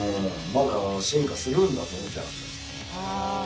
まだ進化するんだと思っちゃいました。